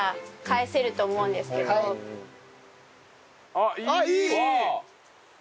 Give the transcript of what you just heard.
ああっいい！